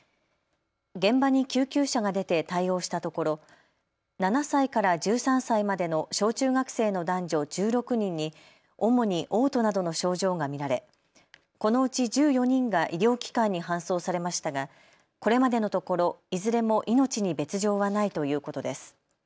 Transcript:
現場に救急車が出て対応したところ、７歳から１３歳までの小中学生の男女１６人に主におう吐などの症状が見られこのうち１４人が医療機関に搬送されましたが、これまでのところいずれも命に別状はないということです。